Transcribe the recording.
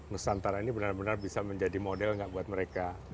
nusantara ini benar benar bisa menjadi model nggak buat mereka